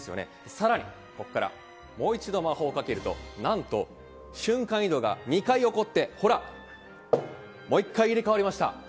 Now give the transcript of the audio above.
さらにここからもう一度、魔法をかけると、なんと瞬間移動が２回起こって、ほらもう１回、入れ替わりました。